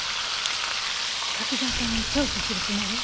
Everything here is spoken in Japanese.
柿沢さんを聴取するつもり？